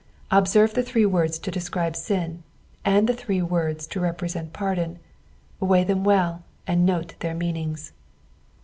Observe the three words to desciibe sin, and the three words to represent pardon, weigh them well, and note their meanings.